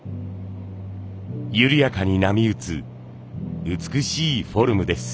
ゆるやかに波打つ美しいフォルムです。